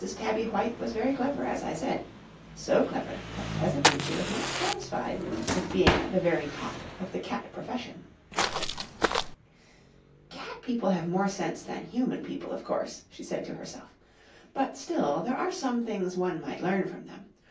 Tabby White was very clever, as I said so clever that presently she was not satisfied with being at the very top of the cat profession. "'Cat people have more sense than human people, of course,' she said to herself; 'but still there are some things one might learn from them.